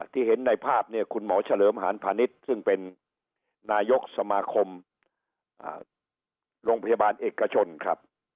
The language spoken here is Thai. เห็นในภาพเนี่ยคุณหมอเฉลิมหานพาณิชย์ซึ่งเป็นนายกสมาคมโรงพยาบาลเอกชนครับ